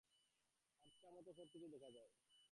আবছামতো সব কিছু দেখা যায়।